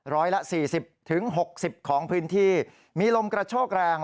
ร้อยละ๔๐๖๐ของพื้นที่มีลมกระโชกแรง